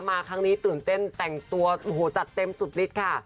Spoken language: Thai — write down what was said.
มาครั้งนี้ตื่นเต้นแต่งตัวจัดเต็มสุดนิดค่ะ